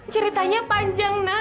ceritanya panjang nah